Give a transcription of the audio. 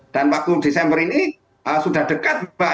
dan waktu desember ini sudah dekat mbak